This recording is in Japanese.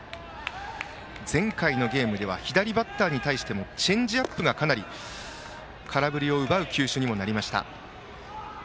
前回のゲームでは左バッターに対してもチェンジアップがかなり空振りを奪う球種でした。